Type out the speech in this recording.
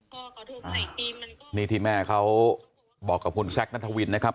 พ่อก็โทรไปอีกปีมันก็นี่ที่แม่เขาบอกกับคุณแซคนัทวินนะครับ